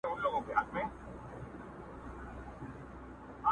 پر قاتل یې زیارت جوړ دی بختور دی!.